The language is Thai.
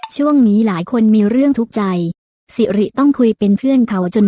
ช่วงนี้หลายคนมีเรื่องทุกข์ใจสิริต้องคุยเป็นเพื่อนเขาจน